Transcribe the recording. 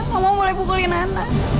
mama boleh pukulin ana